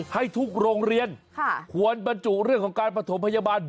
ให้ทุกโรงเรียนควรบรรจุเรื่องของการประถมพยาบาล